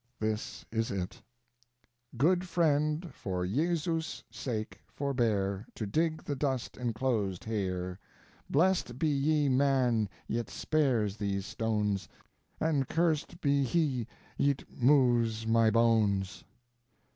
This is it: Good friend for Iesus sake forbeare To digg the dust encloased heare: Blest be ye man yt spares thes stones And curst be he yt moves my bones.